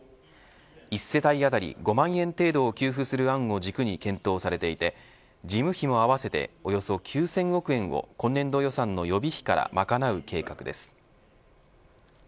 １世帯当たり５万円程度を給付する案を軸に検討されていて事務費も合わせておよそ９０００億円を今年度予算の予備費から賄う計画です。